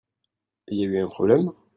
Il y a eu un problème ?